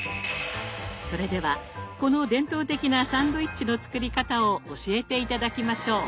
それではこの伝統的なサンドイッチの作り方を教えて頂きましょう！